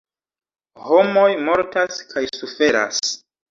Homoj mortas kaj suferas.